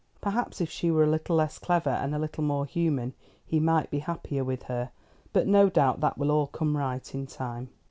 Perhaps if she were a little less clever and a little more human, he might be happier with her; but no doubt that will all come right in time."